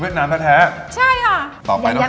เวียดนามแท้ถูกค่ะส่วนสุดเพราะว่าพี่คะต่อไปเรากินแค่นึง